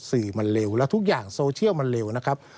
สื่อมันเร็วแล้วทุกอย่างโซเชียลมันเร็วนะครับ